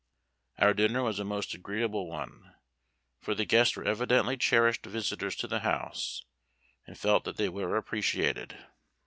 Our dinner was a most agreeable one; for the guests were evidently cherished visitors to the house, and felt that they were appreciated.